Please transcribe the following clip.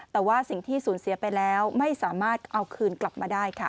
แต่ว่าสิ่งที่สูญเสียไปแล้วไม่สามารถเอาคืนกลับมาได้ค่ะ